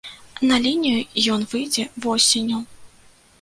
На лінію ён выйдзе восенню.